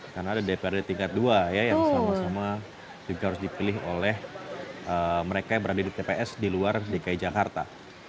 karena ada dpr di tingkat dua ya yang sama sama juga harus dipilih oleh mereka yang berada di tps di luar dki jakarta